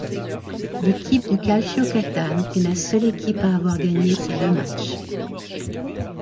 L'équipe du Calcio Catane est la seule équipe à avoir gagné ses deux matchs.